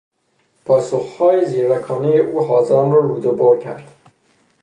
پاسخهای زیرکانهی او حاضران را رودهبر کرد.